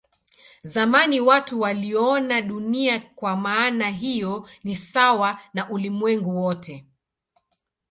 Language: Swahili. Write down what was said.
Zamani watu waliona Dunia kwa maana hiyo ni sawa na ulimwengu wote.